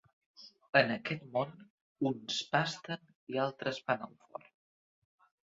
En aquest món, uns pasten i altres van al forn.